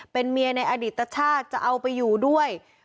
เป็นเมียในอดิตชาติจะเอาไปอยู่ด้วย